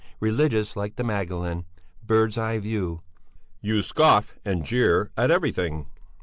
Religious like the Magdalene! Bird's eye view!" "You scoff and jeer at everything!"